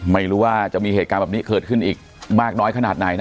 ไม่รู้ว่าจะมีเหตุการณ์แบบนี้เกิดขึ้นอีกมากน้อยขนาดไหนนะ